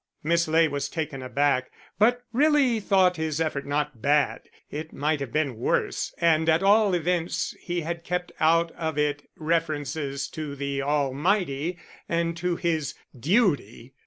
Miss Ley was taken aback, but really thought his effort not bad. It might have been worse, and at all events he had kept out of it references to the Almighty and to his duty!